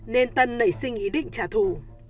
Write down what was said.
nên tân nảy sinh ý định trả thù